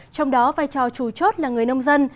trong đó vai trò chủ chốt là người nông dân